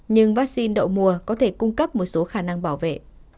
nhưng vaccine đậu mùa có thể cung cấp một số khả năng bảo vệ